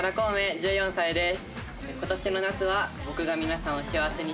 １４歳です。